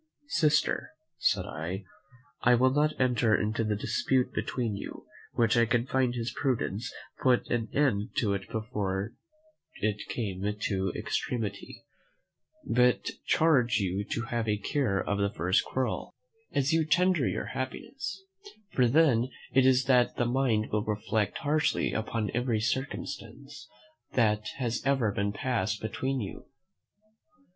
"Sister," said I, "I will not enter into the dispute between you, which I find his prudence put an end to before it came to extremity; but charge you to have a care of the first quarrel, as you tender your happiness; for then it is that the mind will reflect harshly upon every circumstance that has ever passed between you.